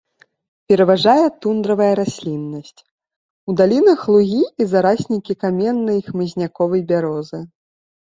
Пераважае тундравая расліннасць, у далінах лугі і зараснікі каменнай і хмызняковай бярозы.